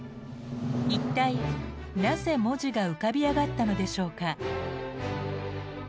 一体なぜ文字が浮かび上がったのでしょうか。